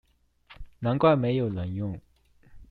難怪沒有人用